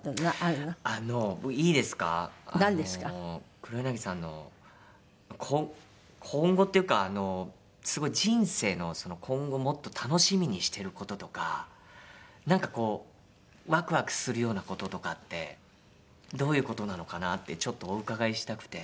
黒柳さんの今後っていうかすごい人生の今後もっと楽しみにしてる事とかなんかこうワクワクするような事とかってどういう事なのかな？ってちょっとお伺いしたくて。